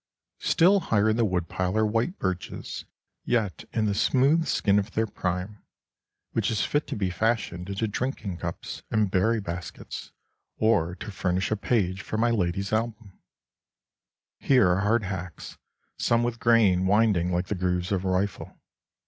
Still higher in the woodpile are white birches, yet in the smooth skin of their prime, which is fit to be fashioned into drinking cups and berry baskets, or to furnish a page for my lady's album. Here are hardhacks, some with grain winding like the grooves of a rifle.